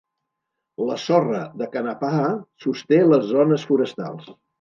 La sorra de Kanapaha sosté les zones forestals.